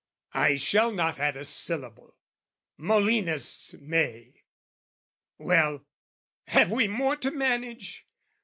I shall not add a syllable: Molinists may! Well, have we more to manage?